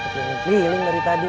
keliling keliling dari tadi